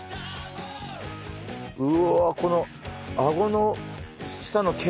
うわこのあごの下の毛？